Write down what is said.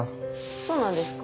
そうなんですか？